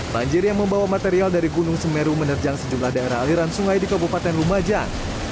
banjir yang membawa material dari gunung semeru menerjang sejumlah daerah aliran sungai di kabupaten lumajang